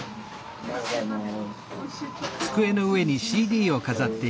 おはようございます。